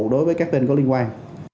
đối với các tên có liên quan